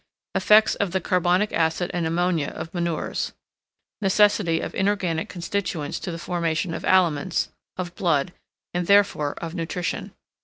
Effects of the Carbonic Acid and Ammonia of Manures. Necessity of inorganic constituents to the formation of aliments, of blood, and therefore of nutrition.